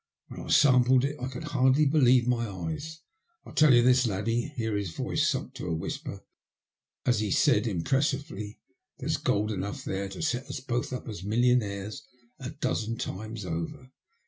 When I sampled it I could hardly believe my eyes. I tell you this, laddie," here his voice sunk to a whisper as he said impressively, " there's gold enough there to set us both up as millionaires a dozen times over."